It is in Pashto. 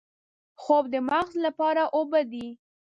خوب د مغز لپاره اوبه دي